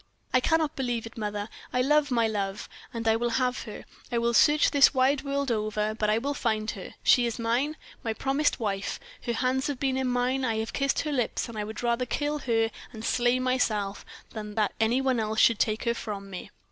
I cannot believe it, mother, I love my love, and I will have her I will search this wide world over, but I will find her. She is mine my promised wife; her hands have been in mine, I have kissed her lips, and I would rather kill her and slay myself than that any one else should take her from me."